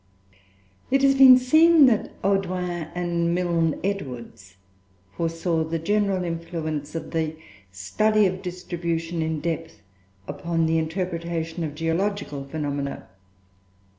It has been seen that Audouin and Milne Edwards foresaw the general influence of the study of distribution in depth upon the interpretation of geological phenomena.